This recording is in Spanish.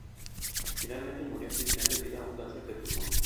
Finalmente murió en prisión debido a un cáncer de pulmón.